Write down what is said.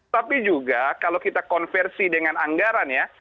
tapi juga kalau kita konversi dengan anggaran ya